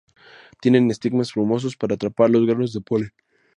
Tienen estigmas plumosos para atrapar a los granos de polen.